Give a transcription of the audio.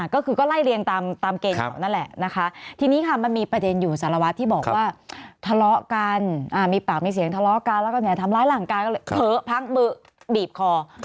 ก็คือก็ไล่เรียงตามเกณฑ์เขานั่นแหละนะคะทีนี้ค่ะมันมีประเด็นอยู่สารวัตรที่บอกว่าทะเลาะกันมีปากมีเสียงทะเลาะกันแล้วก็เนี่ยทำร้ายร่างกายก็เลยเผลอพักมือบีบคอ